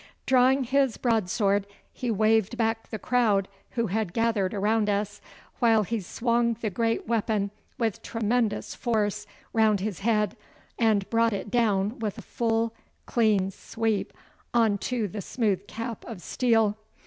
Drawing his broadsword, he waved back the crowd who had gathered around us, while he swung the great weapon with tremendous force round his head, and brought it down with a full, clean sweep on to the smooth cap of steel.